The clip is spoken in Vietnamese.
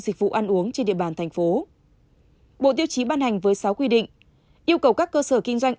dịch vụ ăn uống trên địa bàn thành phố bộ tiêu chí ban hành với sáu quy định yêu cầu các cơ sở kinh doanh